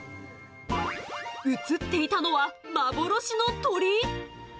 映っていたのは幻の鳥？